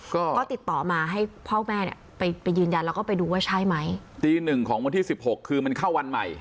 ก็ก็ติดต่อมาให้พ่อแม่เนี่ยไปไปยืนยันแล้วก็ไปดูว่าใช่ไหมตีหนึ่งของวันที่สิบหกคือมันเข้าวันใหม่